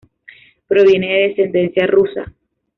Proviene de descendencia rusa.